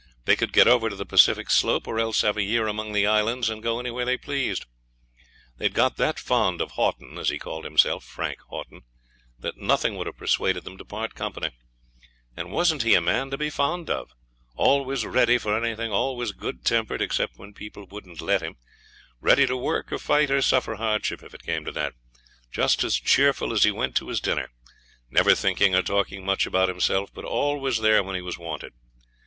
They could get over to the Pacific slope, or else have a year among the Islands, and go anywhere they pleased. They had got that fond of Haughton, as he called himself Frank Haughton that nothing would have persuaded them to part company. And wasn't he a man to be fond of? always ready for anything, always good tempered except when people wouldn't let him, ready to work or fight or suffer hardship, if it came to that, just as cheerful as he went to his dinner never thinking or talking much about himself, but always there when he was wanted.